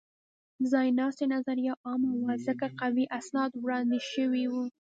ځایناستې نظریه عامه وه؛ ځکه قوي اسناد وړاندې شوي وو.